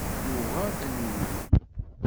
Yuɣa tanummi.